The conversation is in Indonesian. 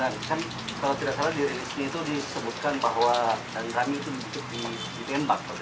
dan kan kalau tidak salah di relesen itu disebutkan bahwa dandami itu di embak